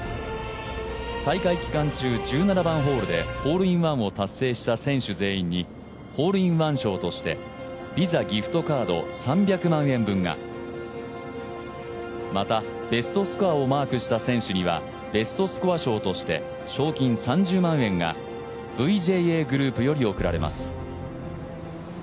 大会期間中、１７番ホールでホールインワンを達成した選手全員にホールインワン賞としてＶｉｓａギフトカード３００万円分がまた、ベストスコアをマークした選手には、ベストスコア賞として賞金３０万円がＶＪＡグループより贈られます。